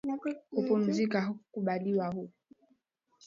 Kupumzika hakukubaliwi huku